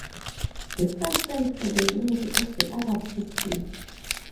The star stands for the unity of the Arab people.